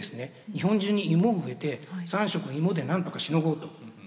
日本中に芋を植えて３食芋で何とかしのごうと。